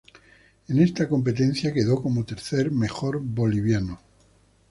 En esta competencia, quedó como tercer mejor boliviano.